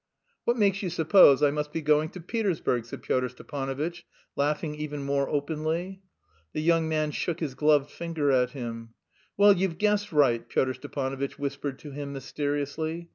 "What makes you suppose I must be going to Petersburg?" said Pyotr Stepanovitch, laughing even more openly. The young man shook his gloved finger at him. "Well, you've guessed right," Pyotr Stepanovitch whispered to him mysteriously.